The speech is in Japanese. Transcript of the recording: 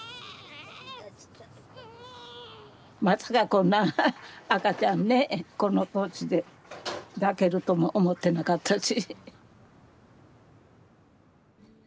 まさかこんな赤ちゃんねこの年で抱けるとも思ってなかったし。